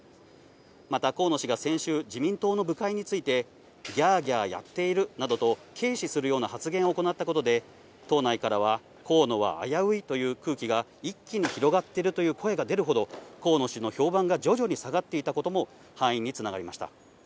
また河野氏が先週、自民党の部会について、ぎゃーぎゃーやっているなどと軽視するような発言を行ったことで、党内からは河野は危ういという空気が一気に広がっているという声が出るほど、河野氏の評判が徐々に下がっていたことも敗因につながりました。